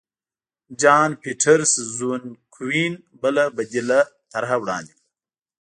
جان پیټرسزونکوین بله بدیله طرحه وړاندې کړه.